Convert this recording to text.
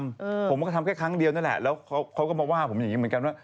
อืมผมก็ทำแค่ครั้งเดียวนั่นแหละแล้วเขาเขาก็มาว่าผมอย่างงี้เหมือนกันว่า